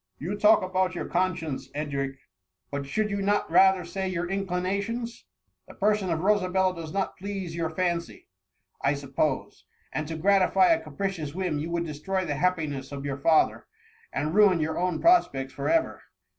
"" You talk about your conscience, Edric, — but should you not rather say your inclinations ? The person of Rosabella does not please your fancy, I suppose; and to gratify a capricious whim, you would destroy the happiness of your father, and ruin your own prospects for .ever.''